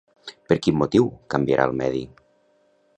Per quin motiu canviarà el medi?